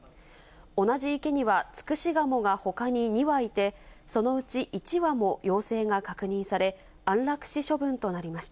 同じ池には、ツクシガモがほかに２羽いて、そのうち１羽も陽性が確認され、安楽死処分となりました。